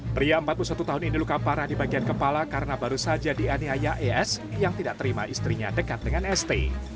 pria empat puluh satu tahun ini luka parah di bagian kepala karena baru saja dianiaya es yang tidak terima istrinya dekat dengan st